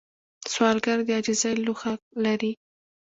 سوالګر د عاجزۍ لوښه لري